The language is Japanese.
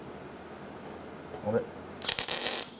あれ？